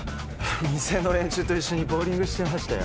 店の連中と一緒にボウリングしてましたよ。